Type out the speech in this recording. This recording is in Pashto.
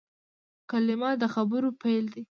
کلیمه د خبرو پیل دئ.